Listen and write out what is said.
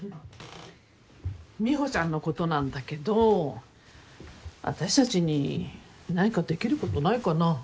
美帆ちゃんのことなんだけどあたしたちに何かできることないかな？